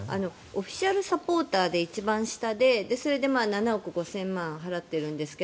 オフィシャルサポーターで一番下でそれで７億５０００万円を払っているんですが